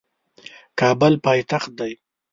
کابل پایتخت دی